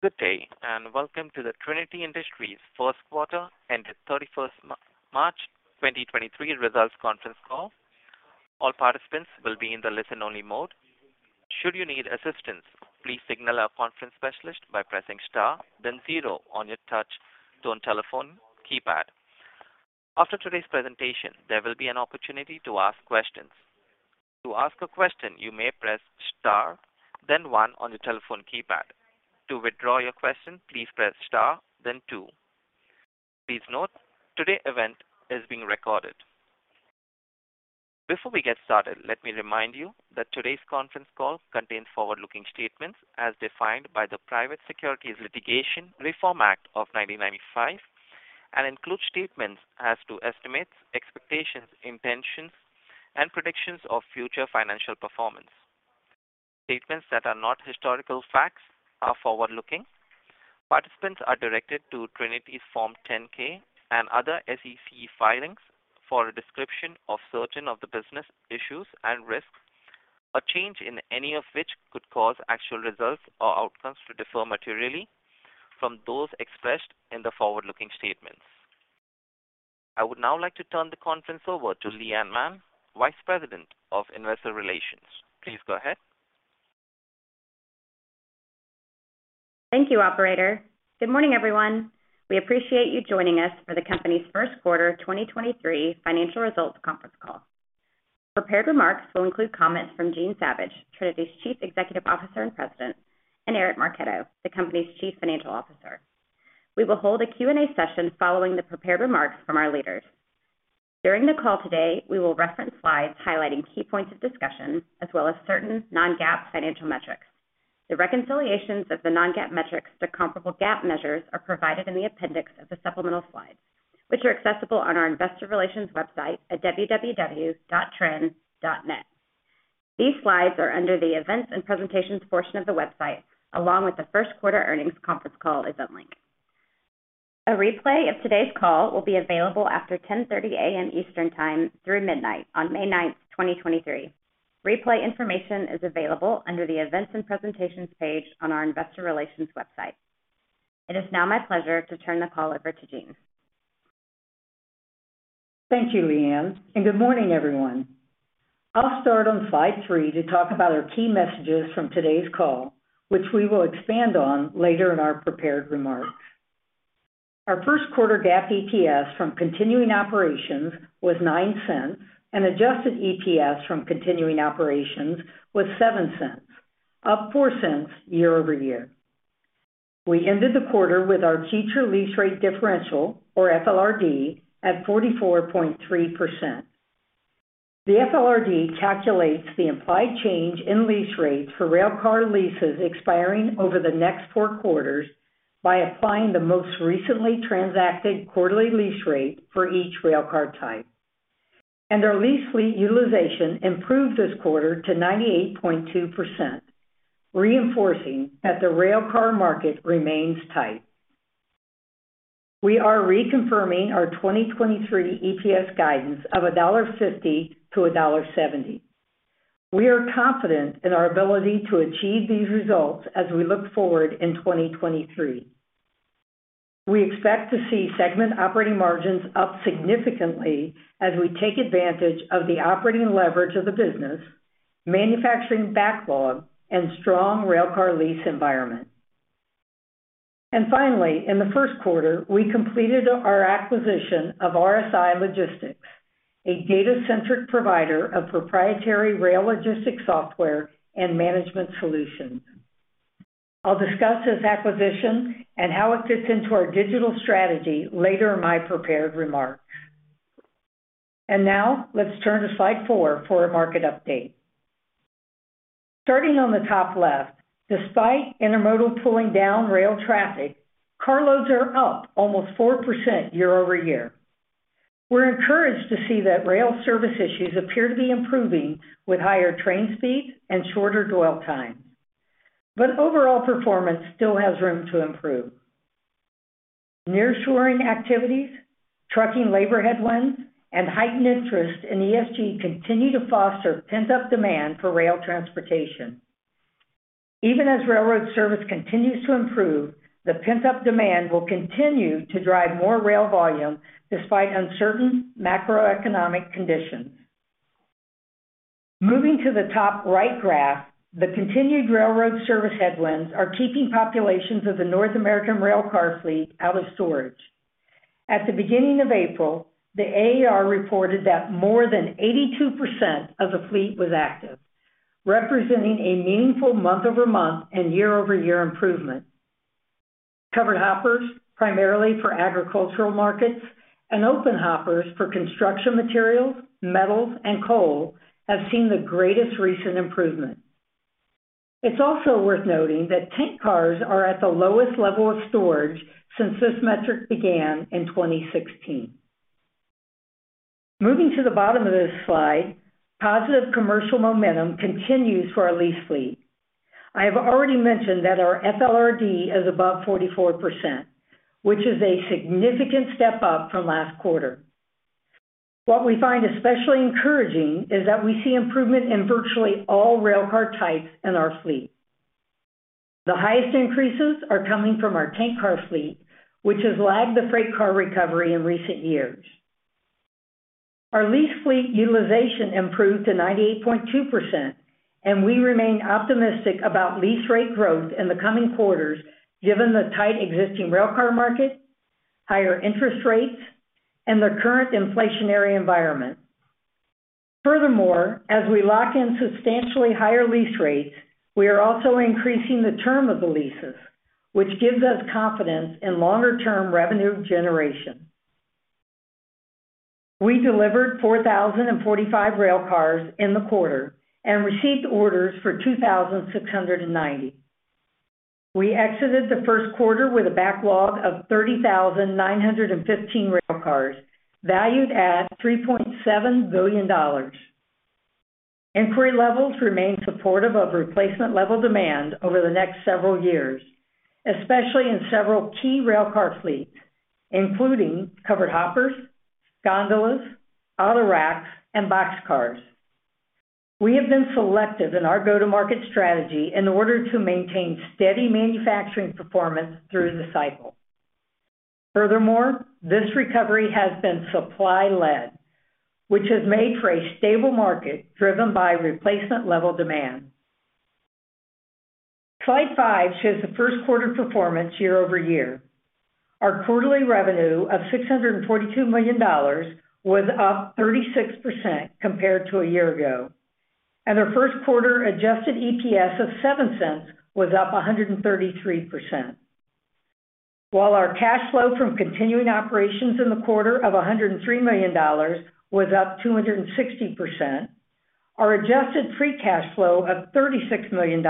Good day. Welcome to the Trinity Industries first quarter ended 31st March 2023 results conference call. All participants will be in the listen-only mode. Should you need assistance, please signal our conference specialist by pressing star then zero on your touch-tone telephone keypad. After today's presentation, there will be an opportunity to ask questions. To ask a question, you may press star then one on your telephone keypad. To withdraw your question, please press star then two. Please note today's event is being recorded. Before we get started, let me remind you that today's conference call contains forward-looking statements as defined by the Private Securities Litigation Reform Act of 1995 and include statements as to estimates, expectations, intentions, and predictions of future financial performance. Statements that are not historical facts are forward-looking. Participants are directed to Trinity's Form 10-K and other SEC filings for a description of certain of the business issues and risks, a change in any of which could cause actual results or outcomes to differ materially from those expressed in the forward-looking statements. I would now like to turn the conference over to Leigh Anne Mann, Vice President of Investor Relations. Please go ahead. Thank you, operator. Good morning, everyone. We appreciate you joining us for the company's first quarter 2023 financial results conference call. Prepared remarks will include comments from Jean Savage, Trinity's Chief Executive Officer and President, and Eric Marchetto, the company's Chief Financial Officer. We will hold a Q&A session following the prepared remarks from our leaders. During the call today, we will reference slides highlighting key points of discussion as well as certain non-GAAP financial metrics. The reconciliations of the non-GAAP metrics to comparable GAAP measures are provided in the appendix of the supplemental slides, which are accessible on our Investor Relations website at www.trin.net. These slides are under the Events and Presentations portion of the website, along with the first quarter earnings conference call event link. A replay of today's call will be available after 10:30 A.M. Eastern Time through midnight on May 9th, 2023. Replay information is available under the Events and Presentations page on our Investor Relations website. It is now my pleasure to turn the call over to Jean. Thank you, Leigh Anne. Good morning, everyone. I'll start on slide three to talk about our key messages from today's call, which we will expand on later in our prepared remarks. Our first quarter GAAP EPS from continuing operations was $0.09 and adjusted EPS from continuing operations was $0.07, up $0.04 year-over-year. We ended the quarter with our future lease rate differential or FLRD at 44.3%. The FLRD calculates the implied change in lease rates for railcar leases expiring over the next four quarters by applying the most recently transacted quarterly lease rate for each railcar type. Our lease fleet utilization improved this quarter to 98.2%, reinforcing that the railcar market remains tight. We are reconfirming our 2023 EPS guidance of $1.50-$1.70. We are confident in our ability to achieve these results as we look forward in 2023. We expect to see segment operating margins up significantly as we take advantage of the operating leverage of the business, manufacturing backlog, and strong railcar lease environment. Finally, in the first quarter, we completed our acquisition of RSI Logistics, a data-centric provider of proprietary rail logistics software and management solutions. I'll discuss this acquisition and how it fits into our digital strategy later in my prepared remarks. Now let's turn to slide four for a market update. Starting on the top left, despite intermodal pulling down rail traffic, car loads are up almost 4% year-over-year. We're encouraged to see that rail service issues appear to be improving with higher train speeds and shorter dwell time, but overall performance still has room to improve. Nearshoring activities, trucking labor headwinds, and heightened interest in ESG continue to foster pent-up demand for rail transportation. Even as railroad service continues to improve, the pent-up demand will continue to drive more rail volume despite uncertain macroeconomic conditions. Moving to the top right graph, the continued railroad service headwinds are keeping populations of the North American rail car fleet out of storage. At the beginning of April, the AAR reported that more than 82% of the fleet was active, representing a meaningful month-over-month and year-over-year improvement. Covered hoppers, primarily for agricultural markets, and open hoppers for construction materials, metals, and coal have seen the greatest recent improvement. It's also worth noting that tank cars are at the lowest level of storage since this metric began in 2016. Moving to the bottom of this slide, positive commercial momentum continues for our lease fleet. I have already mentioned that our FLRD is above 44%, which is a significant step up from last quarter. We find especially encouraging is that we see improvement in virtually all railcar types in our fleet. The highest increases are coming from our tank car fleet, which has lagged the freight car recovery in recent years. Our lease fleet utilization improved to 98.2%, and we remain optimistic about lease rate growth in the coming quarters given the tight existing railcar market, higher interest rates, and the current inflationary environment. Furthermore, as we lock in substantially higher lease rates, we are also increasing the term of the leases, which gives us confidence in longer-term revenue generation. We delivered 4,045 railcars in the quarter and received orders for 2,690. We exited the first quarter with a backlog of 30,915 railcars valued at $3.7 billion. Inquiry levels remain supportive of replacement level demand over the next several years, especially in several key railcar fleets, including covered hoppers, gondolas, autoracks and boxcars. We have been selective in our go-to-market strategy in order to maintain steady manufacturing performance through the cycle. This recovery has been supply-led, which has made for a stable market driven by replacement level demand. Slide five shows the first quarter performance year-over-year. Our quarterly revenue of $642 million was up 36% compared to a year ago, and our first quarter adjusted EPS of $0.07 was up 133%. While our cash flow from continuing operations in the quarter of $103 million was up 260%, our adjusted free cash flow of $36 million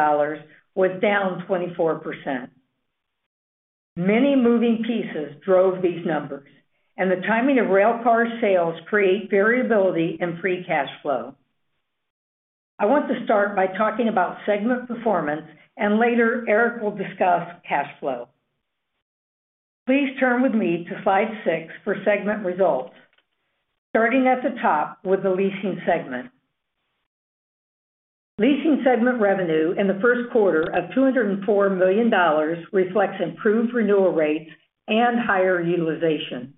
was down 24%. Many moving pieces drove these numbers and the timing of railcar sales create variability in free cash flow. I want to start by talking about segment performance and later Eric will discuss cash flow. Please turn with me to slide six for segment results, starting at the top with the Leasing segment. Leasing segment revenue in the first quarter of $204 million reflects improved renewal rates and higher utilization.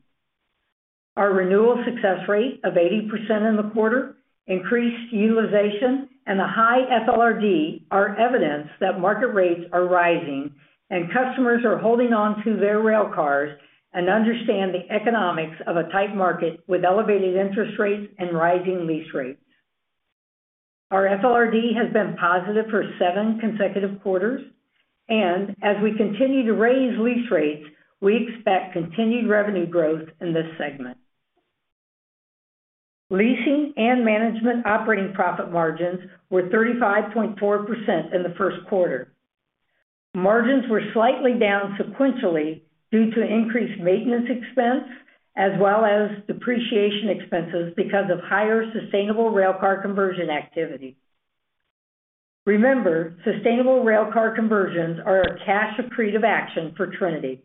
Our renewal success rate of 80% in the quarter increased utilization and a high FLRD are evidence that market rates are rising and customers are holding on to their railcars and understand the economics of a tight market with elevated interest rates and rising lease rates. Our FLRD has been positive for seven consecutive quarters and as we continue to raise lease rates, we expect continued revenue growth in this segment. Leasing and management operating profit margins were 35.4% in the first quarter. Margins were slightly down sequentially due to increased maintenance expense as well as depreciation expenses because of higher sustainable railcar conversion activity. Remember, sustainable railcar conversions are a cash accretive action for Trinity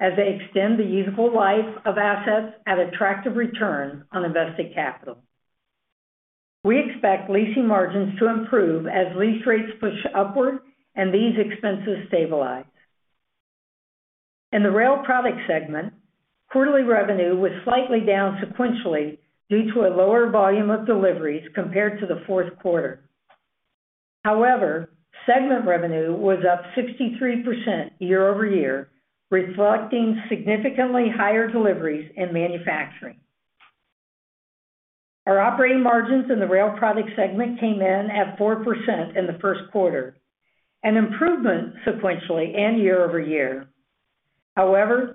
as they extend the usable life of assets at attractive return on invested capital. We expect leasing margins to improve as lease rates push upward and these expenses stabilize. In the Rail Product segment, quarterly revenue was slightly down sequentially due to a lower volume of deliveries compared to the fourth quarter. Segment revenue was up 63% year-over-year, reflecting significantly higher deliveries in manufacturing. Our operating margins in the Rail Product segment came in at 4% in the first quarter, an improvement sequentially and year-over-year.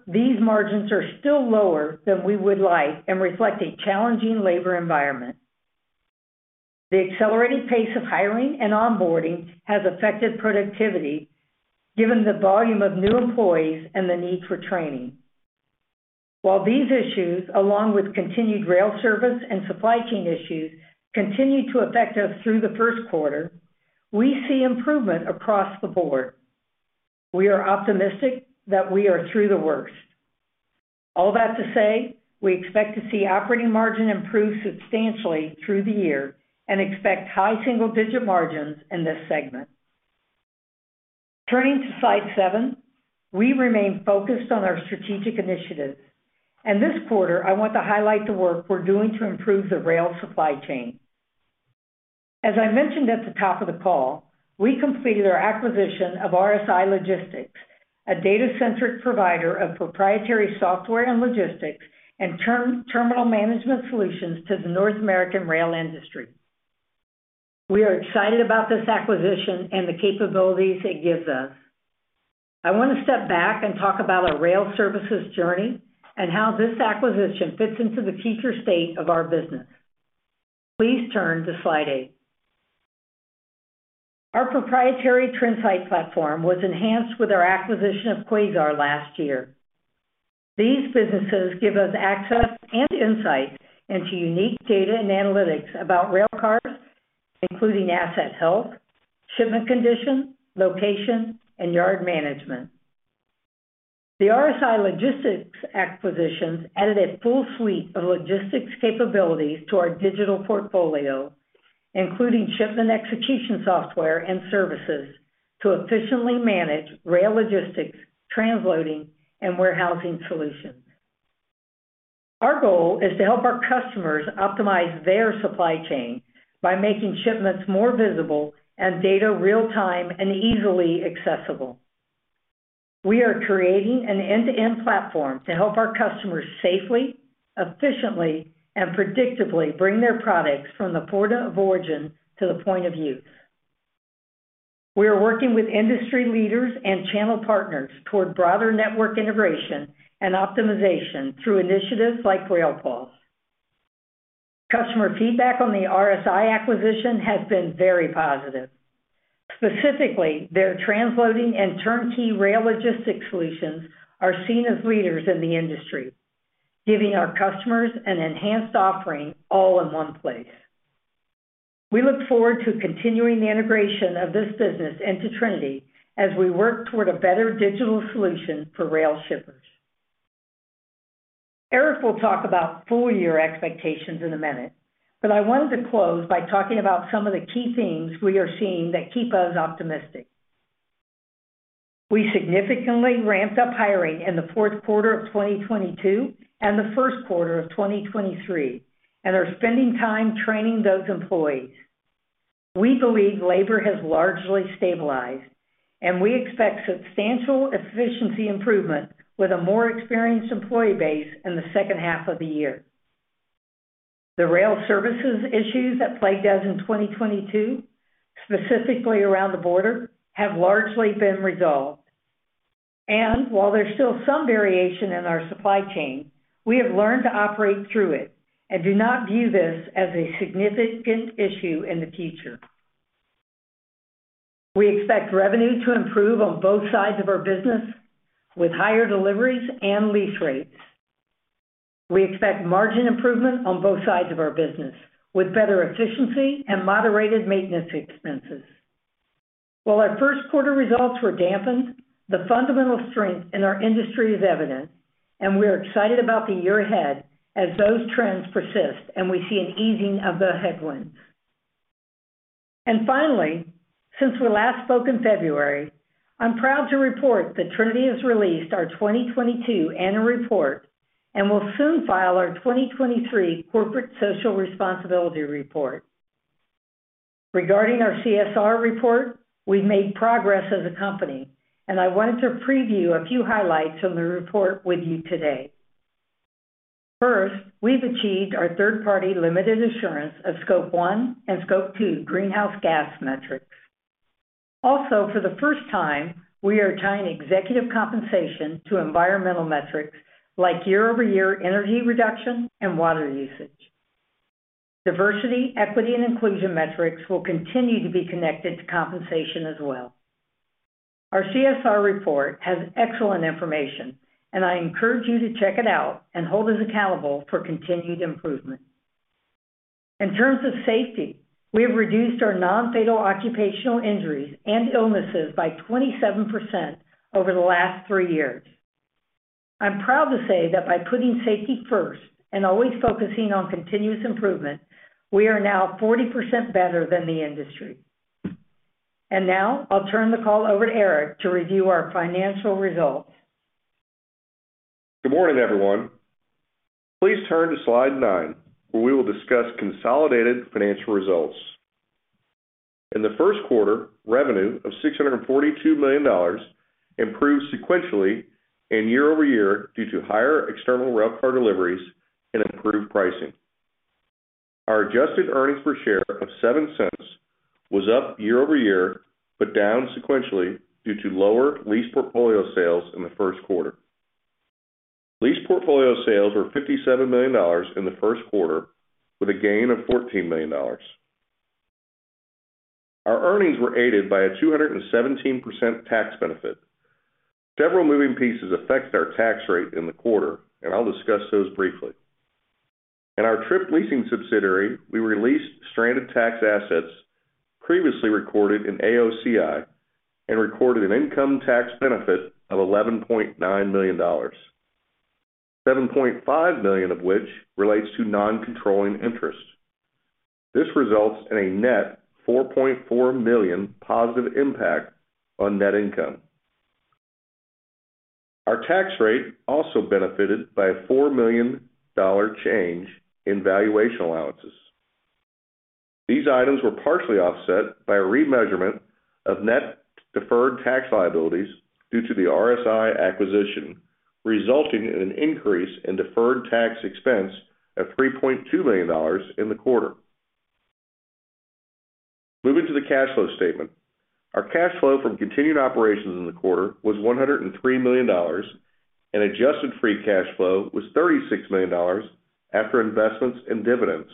These margins are still lower than we would like and reflect a challenging labor environment. The accelerated pace of hiring and onboarding has affected productivity given the volume of new employees and the need for training. While these issues, along with continued rail service and supply chain issues, continued to affect us through the first quarter, we see improvement across the board. We are optimistic that we are through the worst. All that to say, we expect to see operating margin improve substantially through the year and expect high single-digit margins in this segment. Turning to slide seven, we remain focused on our strategic initiatives. This quarter I want to highlight the work we're doing to improve the rail supply chain. As I mentioned at the top of the call, we completed our acquisition of RSI Logistics, a data-centric provider of proprietary software and logistics and term-terminal management solutions to the North American rail industry. We are excited about this acquisition and the capabilities it gives us. I want to step back and talk about our rail services journey and how this acquisition fits into the future state of our business. Please turn to slide eight. Our proprietary Trinsight platform was enhanced with our acquisition of Quasar last year. These businesses give us access and insight into unique data and analytics about railcars, including asset health, shipment condition, location, and yard management. The RSI Logistics acquisitions added a full suite of logistics capabilities to our digital portfolio, including shipment execution software and services to efficiently manage rail logistics, transloading, and warehousing solutions. Our goal is to help our customers optimize their supply chain by making shipments more visible and data real-time and easily accessible. We are creating an end-to-end platform to help our customers safely, efficiently, and predictably bring their products from the port of origin to the point of use. We are working with industry leaders and channel partners toward broader network integration and optimization through initiatives like RailPulse. Customer feedback on the RSI acquisition has been very positive. Specifically, their transloading and turnkey rail logistics solutions are seen as leaders in the industry, giving our customers an enhanced offering all in one place. We look forward to continuing the integration of this business into Trinity as we work toward a better digital solution for rail shippers. Eric will talk about full-year expectations in a minute, but I wanted to close by talking about some of the key themes we are seeing that keep us optimistic. We significantly ramped up hiring in the fourth quarter of 2022 and the first quarter of 2023 and are spending time training those employees. We believe labor has largely stabilized, and we expect substantial efficiency improvement with a more experienced employee base in the second half of the year. The rail services issues that plagued us in 2022, specifically around the border, have largely been resolved. While there's still some variation in our supply chain, we have learned to operate through it and do not view this as a significant issue in the future. We expect revenue to improve on both sides of our business with higher deliveries and lease rates. We expect margin improvement on both sides of our business with better efficiency and moderated maintenance expenses. While our first quarter results were dampened, the fundamental strength in our industry is evident, and we are excited about the year ahead as those trends persist, and we see an easing of the headwinds. Finally, since we last spoke in February, I'm proud to report that Trinity has released our 2022 annual report and will soon file our 2023 corporate social responsibility report. Regarding our CSR report, we've made progress as a company. I wanted to preview a few highlights from the report with you today. First, we've achieved our third-party limited assurance of Scope 1 and Scope 2 greenhouse gas metrics. Also, for the first time, we are tying executive compensation to environmental metrics like year-over-year energy reduction and water usage. Diversity, equity, and inclusion metrics will continue to be connected to compensation as well. Our CSR report has excellent information, and I encourage you to check it out and hold us accountable for continued improvement. In terms of safety, we have reduced our non-fatal occupational injuries and illnesses by 27% over the last three years. I'm proud to say that by putting safety first and always focusing on continuous improvement, we are now 40% better than the industry. Now, I'll turn the call over to Eric to review our financial results. Good morning, everyone. Please turn to slide nine, where we will discuss consolidated financial results. In the first quarter, revenue of $642 million improved sequentially and year-over-year due to higher external railcar deliveries and improved pricing. Our adjusted earnings per share of $0.07 was up year-over-year, but down sequentially due to lower lease portfolio sales in the first quarter. Lease portfolio sales were $57 million in the first quarter with a gain of $14 million. Our earnings were aided by a 217% tax benefit. Several moving pieces affect our tax rate in the quarter, and I'll discuss those briefly. In our TRIP leasing subsidiary, we released stranded tax assets previously recorded in AOCI and recorded an income tax benefit of $11.9 million, $7.5 million of which relates to non-controlling interest. This results in a net $4.4 million positive impact on net income. Our tax rate also benefited by a $4 million change in valuation allowances. These items were partially offset by a remeasurement of net deferred tax liabilities due to the RSI acquisition, resulting in an increase in deferred tax expense of $3.2 million in the quarter. Moving to the cash flow statement. Our cash flow from continued operations in the quarter was $103 million. Adjusted free cash flow was $36 million after investments in dividends.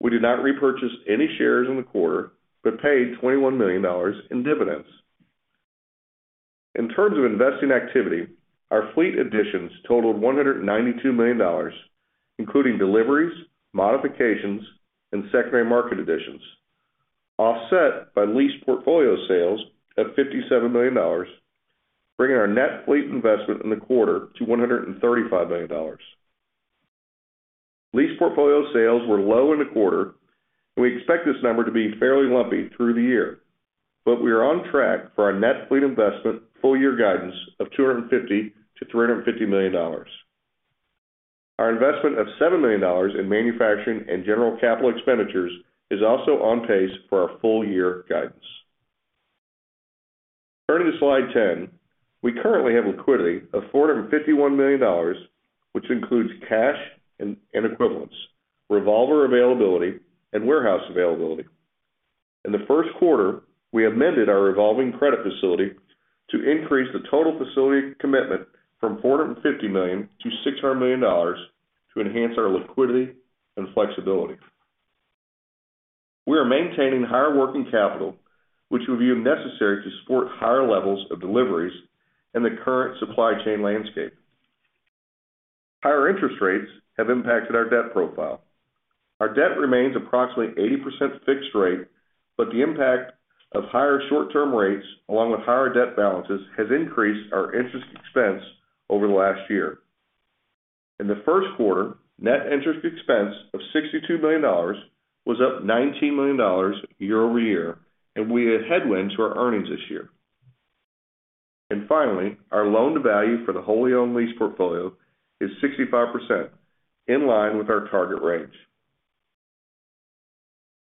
We did not repurchase any shares in the quarter, but paid $21 million in dividends. In terms of investing activity, our fleet additions totaled $192 million, including deliveries, modifications, and secondary market additions. Offset by lease portfolio sales at $57 million, bringing our net fleet investment in the quarter to $135 million. Lease portfolio sales were low in the quarter. We expect this number to be fairly lumpy through the year. We are on track for our net fleet investment full year guidance of $250 million-$350 million. Our investment of $7 million in manufacturing and general capital expenditures is also on pace for our full year guidance. Turning to Slide 10, we currently have liquidity of $451 million, which includes cash and equivalents, revolver availability, and warehouse availability. In the first quarter, we amended our revolving credit facility to increase the total facility commitment from $450 million to $600 million to enhance our liquidity and flexibility. We are maintaining higher working capital, which we view necessary to support higher levels of deliveries in the current supply chain landscape. Higher interest rates have impacted our debt profile. Our debt remains approximately 80% fixed rate, but the impact of higher short-term rates, along with higher debt balances, has increased our interest expense over the last year. In the first quarter, net interest expense of $62 million was up $19 million year-over-year, and we had headwinds to our earnings this year. Finally, our loan-to-value for the wholly owned lease portfolio is 65%, in line with our target range.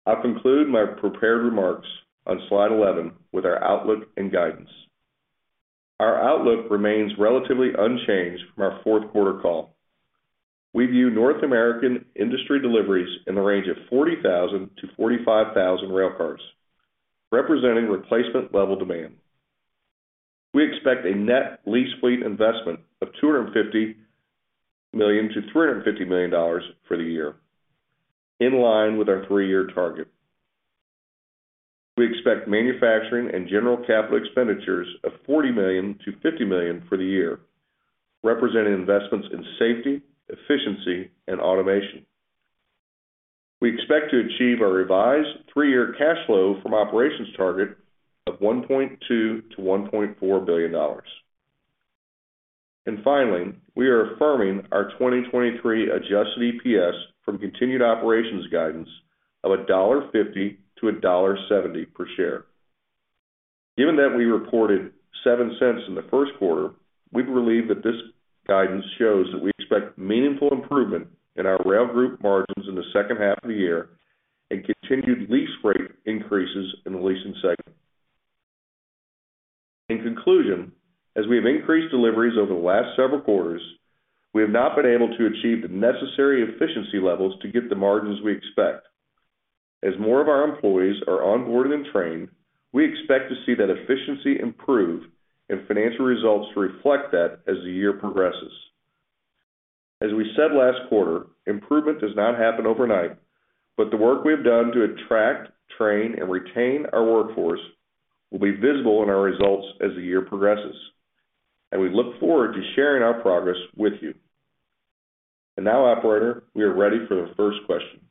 I'll conclude my prepared remarks on slide 11 with our outlook and guidance. Our outlook remains relatively unchanged from our fourth quarter call. We view North American industry deliveries in the range of 40,000 to 45,000 railcars, representing replacement level demand. We expect a net lease fleet investment of $250 million-$350 million for the year, in line with our three-year target. We expect manufacturing and general capital expenditures of $40 million-$50 million for the year, representing investments in safety, efficiency, and automation. We expect to achieve our revised three-year cash flow from operations target of $1.2 billion-$1.4 billion. Finally, we are affirming our 2023 adjusted EPS from continued operations guidance of $1.50-$1.70 per share. Given that we reported $0.07 in the first quarter, we believe that this guidance shows that we expect meaningful improvement in our rail group margins in the second half of the year and continued lease rate increases in the Leasing segment. In conclusion, as we have increased deliveries over the last several quarters, we have not been able to achieve the necessary efficiency levels to get the margins we expect. As more of our employees are onboarded and trained, we expect to see that efficiency improve and financial results reflect that as the year progresses. We said last quarter, improvement does not happen overnight, but the work we have done to attract, train, and retain our workforce will be visible in our results as the year progresses. We look forward to sharing our progress with you. Now, operator, we are ready for the first question.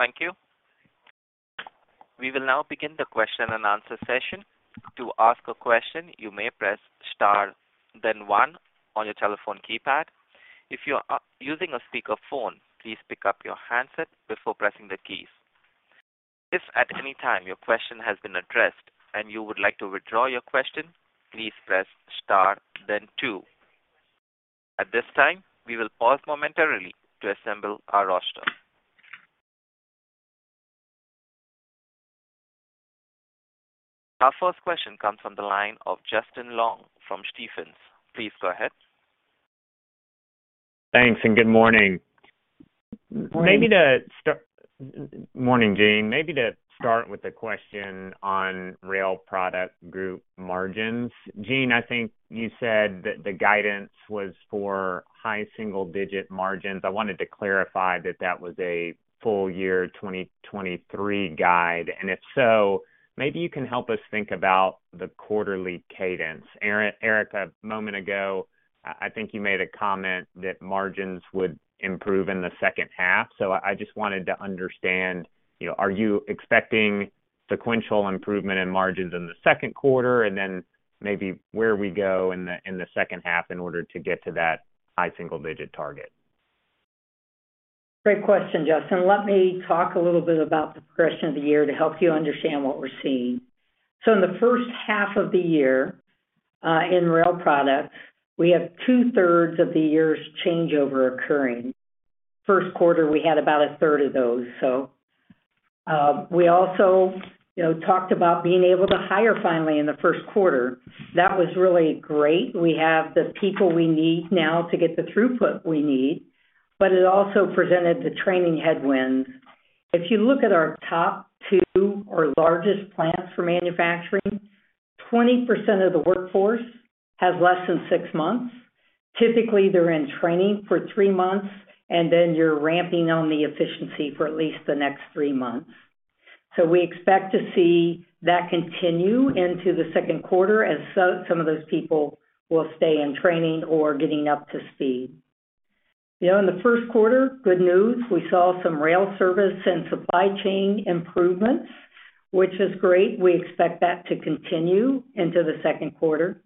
Thank you. We will now begin the question and answer session. To ask a question, you may press star then one on your telephone keypad. If you are using a speakerphone, please pick up your handset before pressing the keys. If at any time your question has been addressed and you would like to withdraw your question, please press star then two. At this time, we will pause momentarily to assemble our roster. Our first question comes from the line of Justin Long from Stephens. Please go ahead. Thanks and good morning. Morning. Morning, Jean. Maybe to start with a question on Rail Product group margins. Jean, I think you said that the guidance was for high single-digit margins. I wanted to clarify that that was a full year 2023 guide, and if so, maybe you can help us think about the quarterly cadence. Eric, a moment ago, I think you made a comment that margins would improve in the second half. I just wanted to understand, you know, are you expecting sequential improvement in margins in the second quarter? Maybe where we go in the, in the second half in order to get to that high single-digit target. Great question, Justin. Let me talk a little bit about the progression of the year to help you understand what we're seeing. In the first half of the year, in Rail Products, we have 2/3 of the year's changeover occurring. First quarter, we had about 1/3 of those, so. We also, you know, talked about being able to hire finally in the first quarter. That was really great. We have the people we need now to get the throughput we need, but it also presented the training headwind. If you look at our top two or largest plants for manufacturing, 20% of the workforce has less than six months. Typically, they're in training for three months, and then you're ramping on the efficiency for at least the next three months. We expect to see that continue into the second quarter as some of those people will stay in training or getting up to speed. You know, in the first quarter, good news, we saw some rail service and supply chain improvements, which is great. We expect that to continue into the second quarter.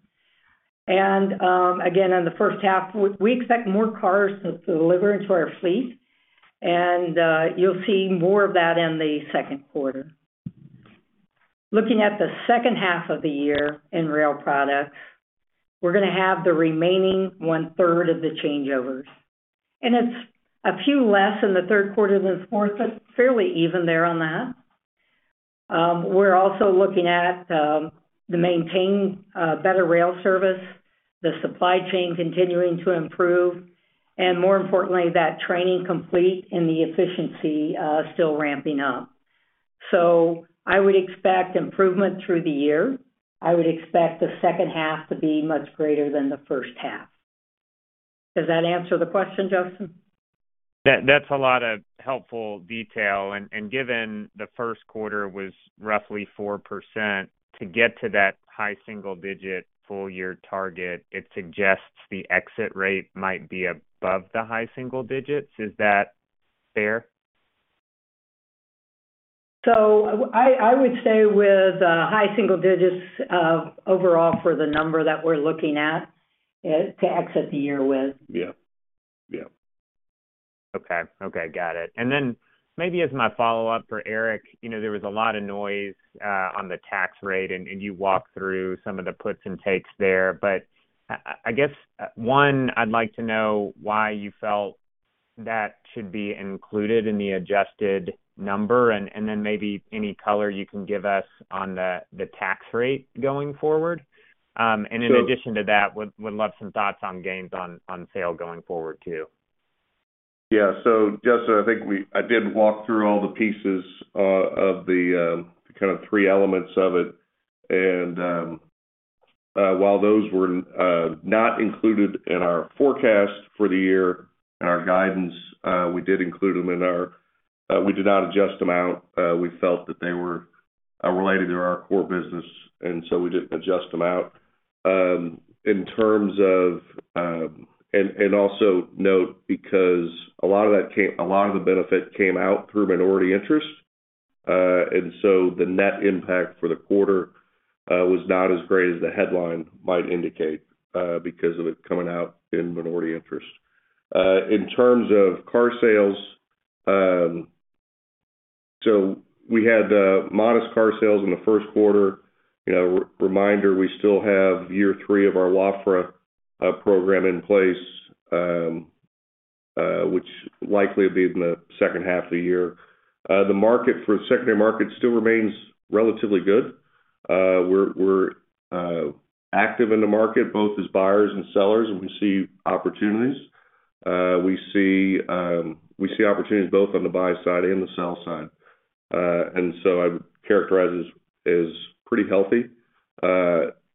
Again, in the first half, we expect more cars to deliver into our fleet, and you'll see more of that in the second quarter. Looking at the second half of the year in Rail Products, we're gonna have the remaining 1/3 of the changeovers. It's a few less in the third quarter than the fourth, but fairly even there on that. We're also looking at the maintained better rail service, the supply chain continuing to improve, and more importantly, that training complete and the efficiency still ramping up. I would expect improvement through the year. I would expect the second half to be much greater than the first half. Does that answer the question, Justin? That's a lot of helpful detail. Given the first quarter was roughly 4% to get to that high single-digit full year target, it suggests the exit rate might be above the high single digits. Is that fair? I would say with high single digits overall for the number that we're looking at to exit the year with. Yeah. Yeah. Okay. Okay. Got it. Maybe as my follow-up for Eric, you know, there was a lot of noise on the tax rate. You walked through some of the puts and takes there. I guess, one, I'd like to know why you felt that should be included in the adjusted number and then maybe any color you can give us on the tax rate going forward. In addition to that, would love some thoughts on gains on sale going forward too. Justin, I did walk through all the pieces of the kind of three elements of it. While those were not included in our forecast for the year and our guidance, we did include them in our. We did not adjust them out. We felt that they were related to our core business, we didn't adjust them out. In terms of, also note because a lot of that a lot of the benefit came out through minority interest, the net impact for the quarter was not as great as the headline might indicate because of it coming out in minority interest. In terms of car sales, we had modest car sales in the first quarter. You know, reminder, we still have year three of our Wafra program in place, which likely will be in the second half of the year. The secondary market still remains relatively good. We're active in the market both as buyers and sellers. We see opportunities. We see opportunities both on the buy side and the sell side. I would characterize as pretty healthy.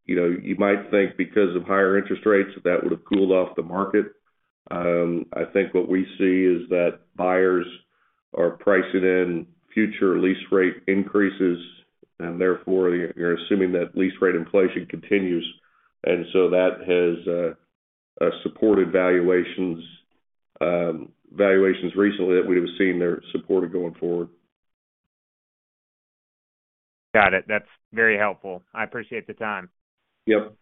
You know, you might think because of higher interest rates that would have cooled off the market. I think what we see is that buyers are pricing in future lease rate increases. Therefore, you're assuming that lease rate inflation continues. That has supported valuations recently that we have seen there supported going forward. Got it. That's very helpful. I appreciate the time. Yep.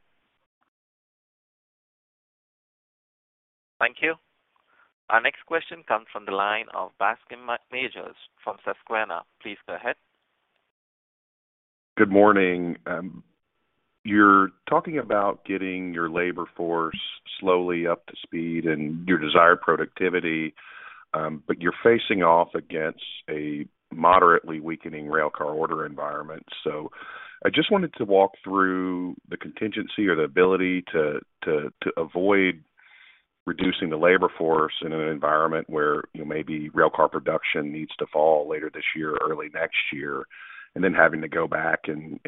Thank you. Our next question comes from the line of Bascome Majors from Susquehanna. Please go ahead. Good morning. You're talking about getting your labor force slowly up to speed and your desired productivity, but you're facing off against a moderately weakening railcar order environment. I just wanted to walk through the contingency or the ability to avoid reducing the labor force in an environment where, you know, maybe railcar production needs to fall later this year or early next year, then having to go back and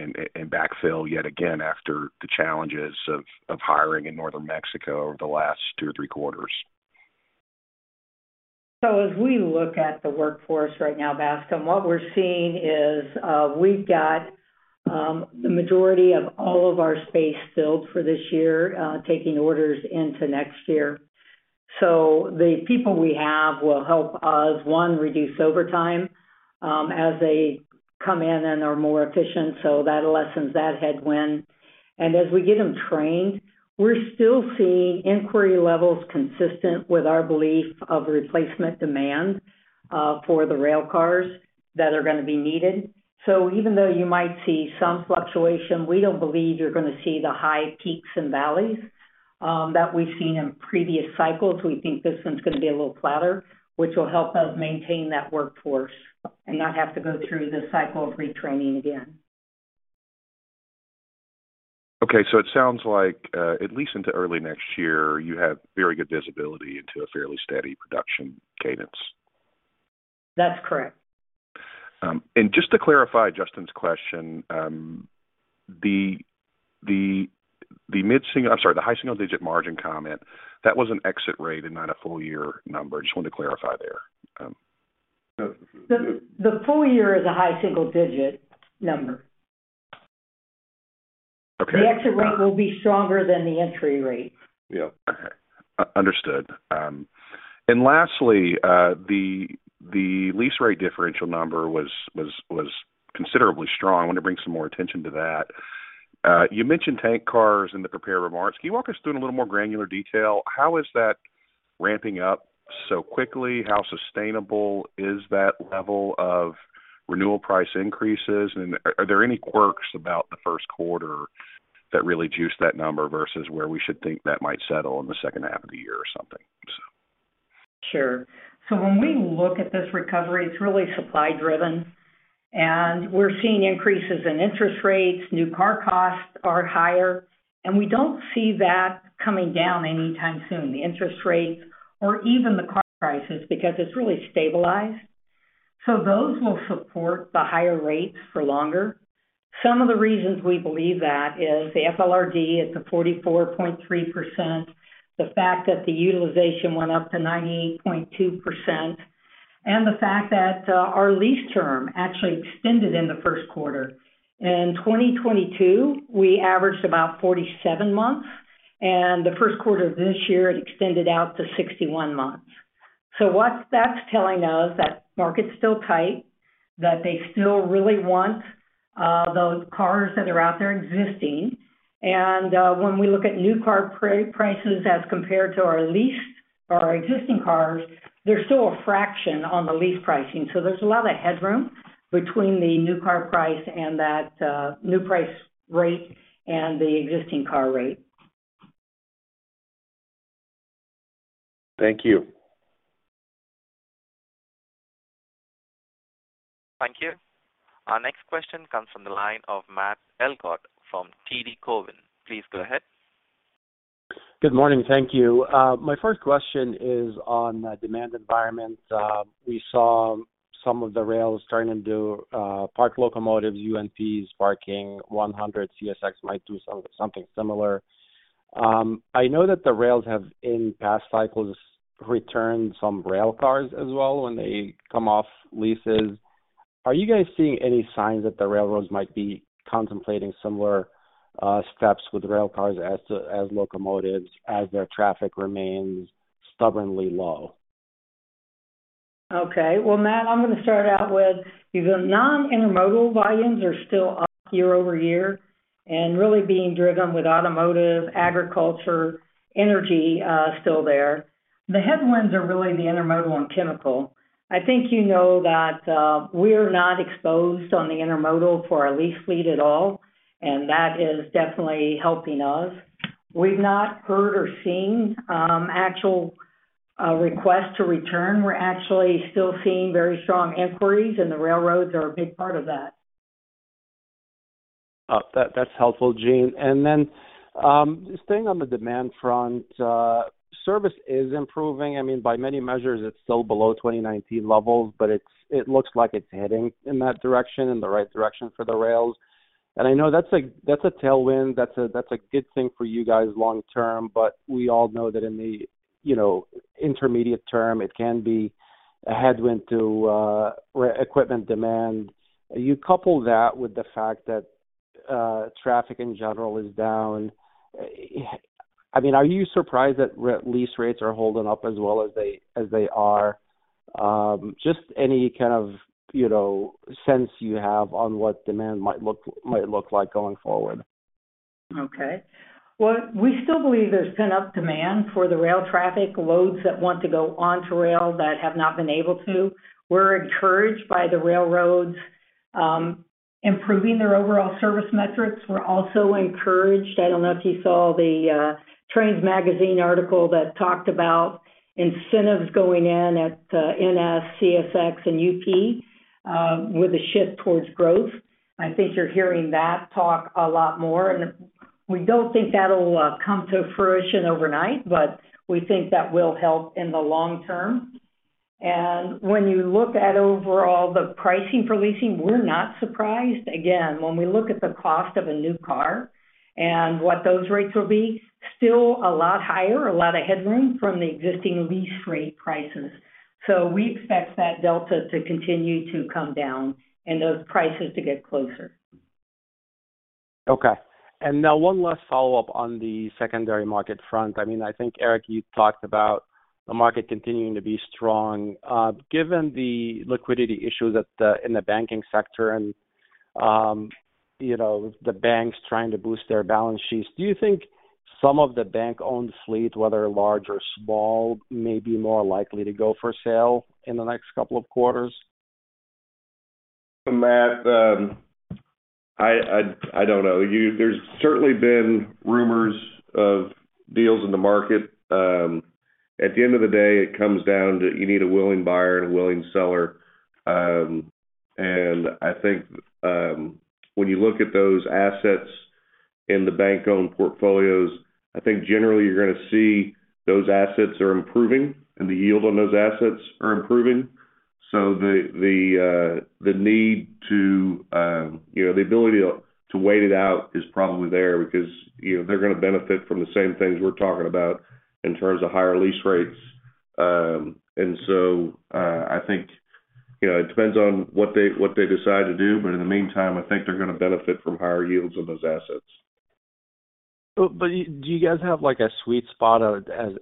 backfill yet again after the challenges of hiring in northern Mexico over the last two or three quarters. As we look at the workforce right now, Bascome, what we're seeing is, we've got the majority of all of our space filled for this year taking orders into next year. The people we have will help us, one, reduce overtime as they come in and are more efficient so that lessens that headwind. As we get them trained, we're still seeing inquiry levels consistent with our belief of replacement demand for the railcars that are gonna be needed. Even though you might see some fluctuation, we don't believe you're gonna see the high peaks and valleys that we've seen in previous cycles. We think this one's gonna be a little flatter which will help us maintain that workforce and not have to go through the cycle of retraining again. Okay. It sounds like, at least into early next year, you have very good visibility into a fairly steady production cadence. That's correct. Just to clarify Justin's question, I'm sorry, the high-single-digit margin comment, that was an exit rate and not a full year number. Just wanted to clarify there. The full year is a high single-digit number. Okay. The exit rate will be stronger than the entry rate. Yeah. Okay. Understood. Lastly, the lease rate differential number was considerably strong. I want to bring some more attention to that. You mentioned tank cars in the prepared remarks. Can you walk us through in a little more granular detail, how is that ramping up so quickly? How sustainable is that level of renewal price increases? Are there any quirks about the first quarter that really juiced that number versus where we should think that might settle in the second half of the year or something? Sure. When we look at this recovery, it's really supply driven, and we're seeing increases in interest rates. New car costs are higher, we don't see that coming down anytime soon. The interest rates or even the car prices, because it's really stabilized. Those will support the higher rates for longer. Some of the reasons we believe that is the FLRD at the 44.3%. The fact that the utilization went up to 98.2%. The fact that our lease term actually extended in the first quarter. In 2022, we averaged about 47 months, the first quarter of this year, it extended out to 61 months. What that's telling us, that market's still tight, that they still really want those cars that are out there existing. When we look at new car prices as compared to our leased or our existing cars, they're still a fraction on the lease pricing. There's a lot of headroom between the new car price and that new price rate and the existing car rate. Thank you. Thank you. Our next question comes from the line of Matt Elkott from TD Cowen. Please go ahead. Good morning. Thank you. My first question is on the demand environment. We saw some of the rails turning to park locomotives, UNP's parking 100, CSX might do something similar. I know that the rails have in past cycles returned some rail cars as well when they come off leases. Are you guys seeing any signs that the railroads might be contemplating similar steps with rail cars as locomotives as their traffic remains stubbornly low? Okay. Well, Matt, I'm gonna start out with the non-intermodal volumes are still up year-over-year and really being driven with automotive, agriculture, energy, still there. The headwinds are really the intermodal and chemical. I think you know that, we're not exposed on the intermodal for our lease fleet at all, and that is definitely helping us. We've not heard or seen, actual, requests to return. We're actually still seeing very strong inquiries, and the railroads are a big part of that. That's helpful, Jean. Staying on the demand front, service is improving. I mean, by many measures, it's still below 2019 levels, it looks like it's heading in that direction, in the right direction for the rails. I know that's a tailwind, that's a good thing for you guys long term. We all know that in the, you know, intermediate term, it can be a headwind to equipment demand. You couple that with the fact that traffic in general is down. I mean, are you surprised that lease rates are holding up as well as they are? Just any kind of, you know, sense you have on what demand might look like going forward. Well, we still believe there's been up demand for the rail traffic loads that want to go onto rail that have not been able to. We're encouraged by the railroads, improving their overall service metrics. We're also encouraged, I don't know if you saw the Trains magazine article that talked about incentives going in at NS, CSX, and UP, with a shift towards growth. I think you're hearing that talk a lot more, we don't think that'll come to fruition overnight, but we think that will help in the long term. When you look at overall the pricing for leasing, we're not surprised. Again, when we look at the cost of a new car and what those rates will be, still a lot higher, a lot of headroom from the existing lease rate prices. We expect that delta to continue to come down and those prices to get closer. Okay. Now one last follow-up on the secondary market front. I mean, I think, Eric, you talked about the market continuing to be strong. Given the liquidity issues in the banking sector and, you know, the banks trying to boost their balance sheets. Do you think some of the bank-owned fleet, whether large or small, may be more likely to go for sale in the next couple of quarters? Matt, I don't know. There's certainly been rumors of deals in the market. At the end of the day, it comes down to you need a willing buyer and a willing seller. I think, when you look at those assets. In the bank-owned portfolios, I think generally you're gonna see those assets are improving and the yield on those assets are improving. The, the need to, you know, the ability to wait it out is probably there because, you know, they're gonna benefit from the same things we're talking about in terms of higher lease rates. I think, you know, it depends on what they decide to do, but in the meantime, I think they're gonna benefit from higher yields on those assets. Do you guys have like a sweet spot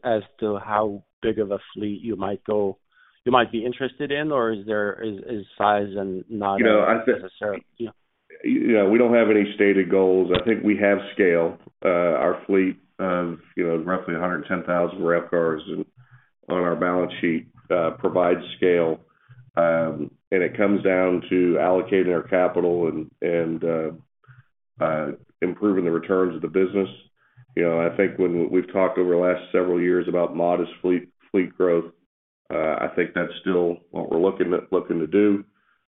as to how big of a fleet you might be interested in? Or is size not necessarily? You know, we don't have any stated goals. I think we have scale. Our fleet of, you know, roughly 110,000 wrap cars on our balance sheet, provides scale. It comes down to allocating our capital and improving the returns of the business. You know, I think when we've talked over the last several years about modest fleet growth, I think that's still what we're looking to do.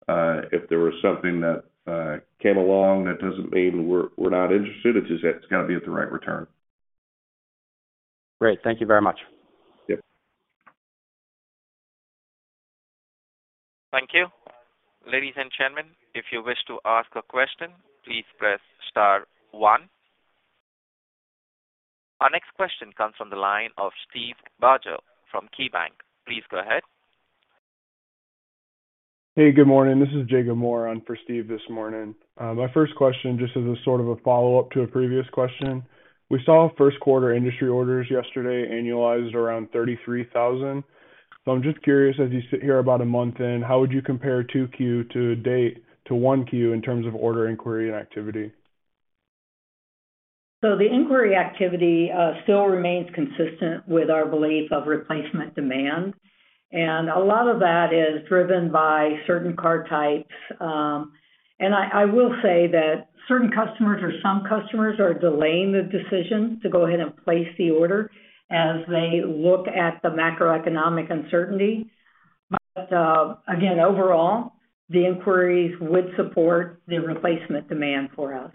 If there was something that came along, that doesn't mean we're not interested. It's just, it's gotta be at the right return. Great. Thank you very much. Yep. Thank you. Ladies and gentlemen, if you wish to ask a question, please press star one. Our next question comes from the line of Steve Barger from KeyBanc. Please go ahead. Hey, good morning. This is Jacob Moore on for Steve this morning. My first question, just as a sort of a follow-up to a previous question. We saw first quarter industry orders yesterday annualized around 33,000. I'm just curious, as you sit here about a month in, how would you compare 2Q to date to 1Q in terms of order inquiry and activity? The inquiry activity still remains consistent with our belief of replacement demand. A lot of that is driven by certain car types. I will say that certain customers or some customers are delaying the decision to go ahead and place the order as they look at the macroeconomic uncertainty. Again, overall, the inquiries would support the replacement demand for us.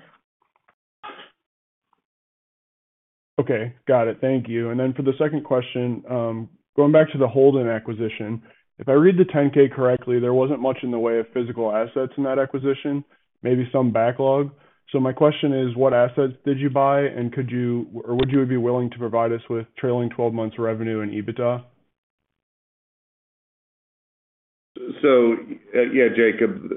Okay. Got it. Thank you. Then for the second question, going back to the Holden acquisition, if I read the 10-K correctly, there wasn't much in the way of physical assets in that acquisition. Maybe some backlog. My question is, what assets did you buy and could you or would you be willing to provide us with trailing 12 months revenue and EBITDA? Yeah, Jacob,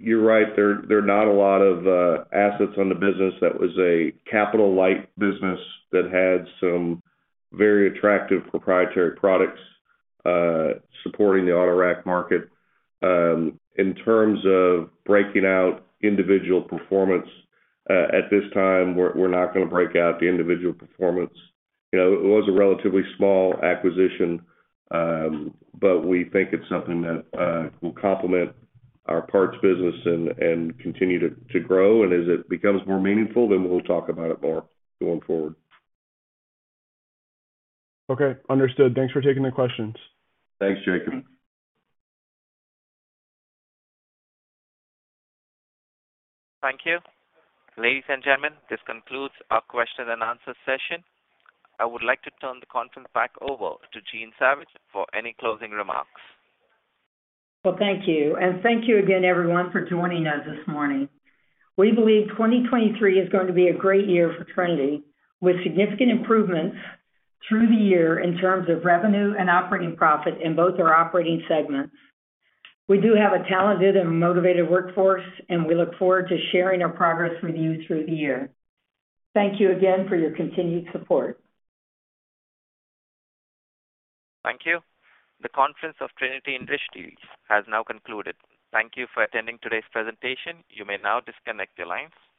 you're right. There are not a lot of assets on the business. That was a capital light business that had some very attractive proprietary products supporting the autorack market. In terms of breaking out individual performance, at this time, we're not gonna break out the individual performance. You know, it was a relatively small acquisition. But we think it's something that will complement our parts business and continue to grow. As it becomes more meaningful, then we'll talk about it more going forward. Okay. Understood. Thanks for taking the questions. Thanks, Jacob. Thank you. Ladies and gentlemen, this concludes our question and answer session. I would like to turn the conference back over to Jean Savage for any closing remarks. Well, thank you. Thank you again, everyone, for joining us this morning. We believe 2023 is going to be a great year for Trinity, with significant improvements through the year in terms of revenue and operating profit in both our operating segments. We do have a talented and motivated workforce, and we look forward to sharing our progress with you through the year. Thank you again for your continued support. Thank you. The conference of Trinity Industries has now concluded. Thank you for attending today's presentation. You may now disconnect your lines.